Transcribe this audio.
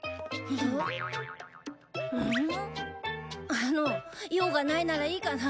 あの用がないならいいかな。